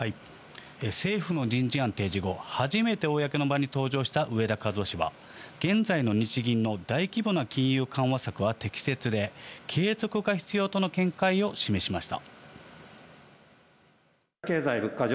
政府の人事案提示後、初めて公の場に登場した植田和男氏は現在の日銀の大規模な金融緩和策は適切で継続が必要との見解を示しました。